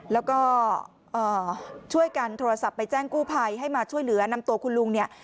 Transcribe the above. แล้วก็ช่วยกันโทรศัพท์ไปแจ้งกู้ภัยให้มาช่วยเหลือนำตัวคุณลุงเนี่ย